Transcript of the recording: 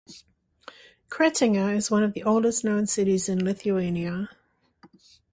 Kretinga is one of the oldest known cities in Lithuania.